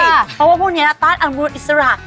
เพราะว่าพวกนี้ต้านอำมูลอิสระ